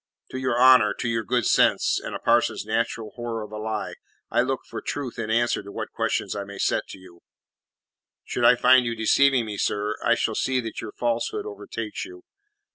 To your honour, to your good sense and a parson's natural horror of a lie, I look for truth in answer to what questions I may set you. Should I find you deceiving me, sir, I shall see that your falsehood overtakes you."